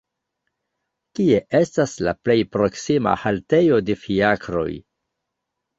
Kie estas la plej proksima haltejo de fiakroj!